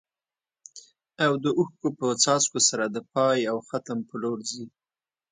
او د اوښکو په څاڅکو سره د پای او ختم په لور ځي.